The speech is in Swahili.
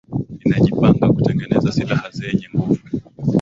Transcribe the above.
inajipanga kutengeneza silaha zenye nguvu